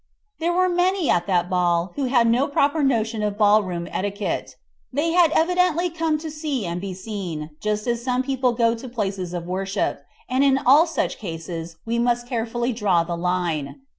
There were many at that ball who had no proper notion of ballroom etiquette. They had evidently come to see and be seen, just as some people go to places of worship, and in all such cases we must carefully draw the line.